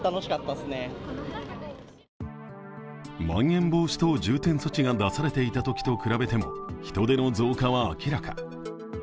まん延防止等重点措置が出されていたときと比べても人出の増加は明らか。